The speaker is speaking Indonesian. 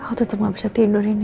aku tuh cuma bisa tidur ini